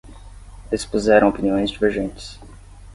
Expuseram opiniões divergentes